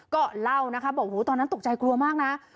ก็เล่านะคะบอกตอนนั้นตกใจกลัวมากนะ